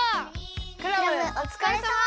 クラムおつかれさま！